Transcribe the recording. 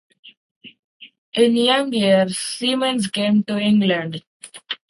In young years Siemens came to England.